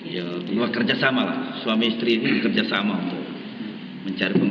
ya dua kerjasama lah suami istri ini kerjasama untuk mencari pengalaman